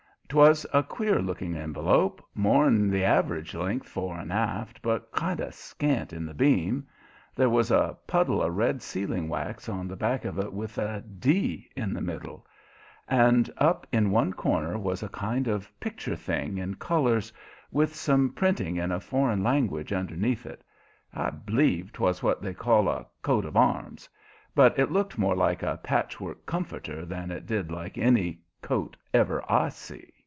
'Twas a queer looking envelope, more'n the average length fore and aft, but kind of scant in the beam. There was a puddle of red sealing wax on the back of it with a "D" in the middle, and up in one corner was a kind of picture thing in colors, with some printing in a foreign language underneath it. I b'lieve 'twas what they call a "coat of arms," but it looked more like a patchwork comforter than it did like any coat ever I see.